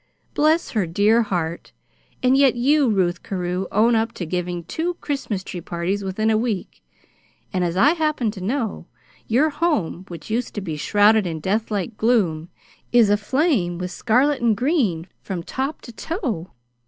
"Bless her dear heart! And yet you, Ruth Carew, own up to giving two Christmas tree parties within a week, and, as I happen to know, your home, which used to be shrouded in death like gloom, is aflame with scarlet and green from top to toe.